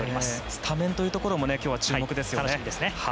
スタメンというところも今日は注目ですよね。